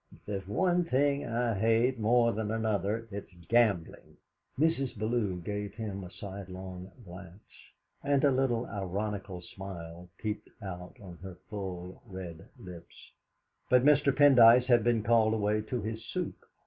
If there's one thing I hate more than another, it's gambling!" Mrs. Bellew gave him a sidelong glance, and a little ironical smile peeped out on her full red lips. But Mr. Pendyce had been called away to his soup.